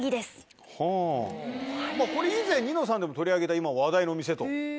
これ以前『ニノさん』でも取り上げた今話題の店と。